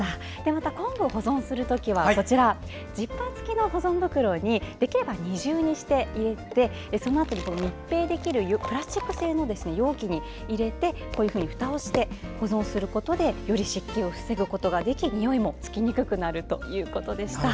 また、昆布を保存する時はジッパー付きの保存袋にできれば二重にして入れてそのあとに密閉できるプラスチック製の容器に入れてふたをして保存することでより湿気を防ぐことができにおいもつきにくくなるということでした。